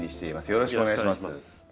よろしくお願いします。